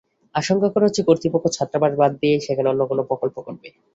আশঙ্কা করা হচ্ছে, কর্তৃপক্ষ ছাত্রাবাস বাদ দিয়ে সেখানে অন্য কোনো প্রকল্প করবে।